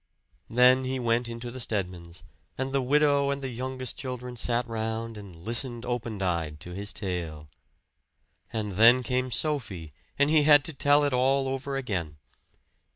Then he went into the Stedmans, and the widow and the youngest children sat round and listened open eyed to his tale. And then came Sophie, and he had to tell it all over again.